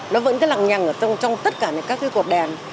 nó vẫn lặng nhằng trong tất cả các cột đèn